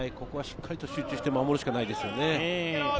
ここはしっかり集中して守るしかないですね。